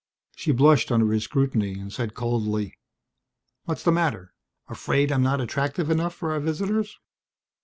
She blushed under his scrutiny, said coldly, "What's the matter? Afraid I'm not attractive enough for our visitors?"